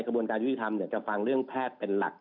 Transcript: การยูทีธรรมจะฟังเรื่องแพทย์เป็นหลัก